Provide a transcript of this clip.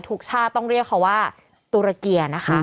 ทุกชาติต้องเรียกเขาว่าตุรเกียร์นะคะ